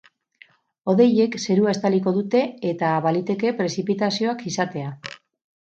Hodeiek zerua estaliko dute eta baliteke prezipitazioak izatea.